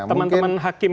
teman teman hakim yang lain